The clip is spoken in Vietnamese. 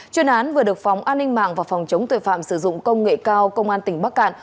chuyên án vừa được phòng an ninh mạng và phòng chống tội phạm sử dụng công nghệ cao công an tỉnh bắc cạn